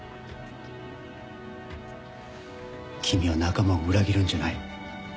君は仲間を裏切るんじゃない。